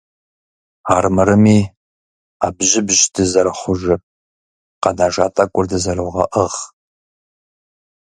Армырми Ӏэбжьыбщ дызэрыхъужыр, къэнэжа тӀэкӀур дызэрывгъэӏыгъ!